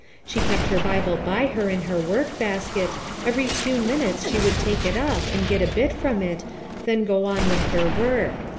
She kept her Bible by her in her work basket, every few minutes she would take it up and get a bit from it, then go on with her work.